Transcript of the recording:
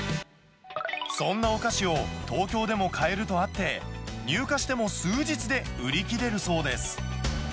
そんなお菓子を東京でも買えるとあって、入荷しても数日で売り切れるそうです。